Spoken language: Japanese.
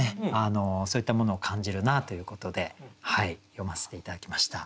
そういったものを感じるなということで詠ませて頂きました。